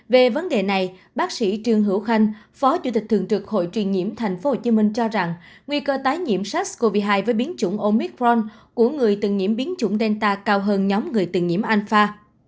về vấn đề này bác sĩ trương hữu khanh phó chủ tịch thường trực hội truyền nhiễm tp hcm cho rằng nguy cơ tái nhiễm sars cov hai với biến chủng omitron của người từng nhiễm biến chủng delta cao hơn nhóm người từng nhiễm alpha